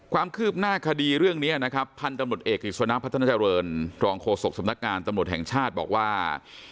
ความคืบหน้าคดีเรื่องนี้นะครับพันธุ์ตำรวจเอกกิจสนะพัฒนาเจริญรองโฆษกสำนักงานตำรวจแห่งชาติบอกว่า